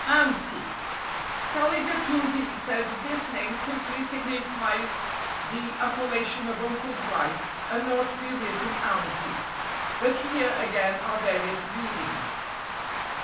Note (b). "Ante. Scaliger 2d says this name simply signifies the appellation of uncle's wife, and ought to be written Aunty. But here, again, are various readings.